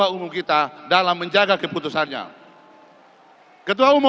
pasukan apel disiapkan